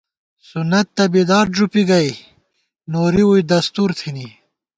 سنّت تہ بدعت ݫُوپی گئ، نوری ووئی دستور تھنی